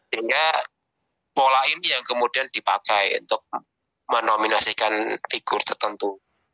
sehingga pola ini yang kemudian dipakai untuk menominasikan figur tertentu